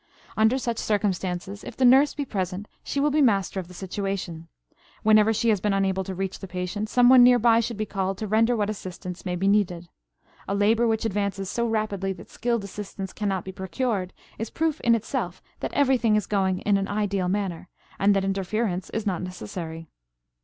Under such circumstances, if the nurse be present she will be master of the situation; whenever she has been unable to reach the patient, someone near by should be called to render what assistance may be needed. A labor which advances so rapidly that skilled assistance cannot be procured is proof in itself that everything is going in an ideal manner, and that interference is not necessary.